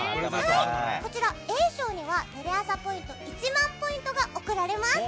Ａ賞にはテレ朝ポイント１万ポイントが贈られます。